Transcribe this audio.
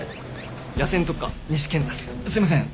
すいません。